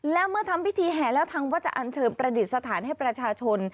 และเมื่อทำพิธีแห่แล้วทางวัดจะอันเชิญประดิษฐานให้ประชาชน